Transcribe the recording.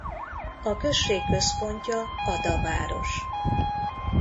A község központja Ada város.